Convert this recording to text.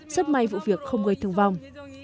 rất may vụ việc không gây thương vong